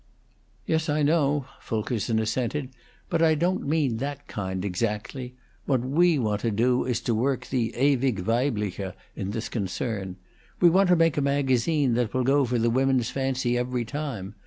"Yes, I know," Fulkerson assented. "But I don't mean that kind exactly. What we want to do is to work the 'ewig Weibliche' in this concern. We want to make a magazine that will go for the women's fancy every time.